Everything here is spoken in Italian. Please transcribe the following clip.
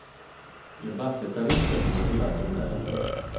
Le basse tariffe sono arrivate in Belgio".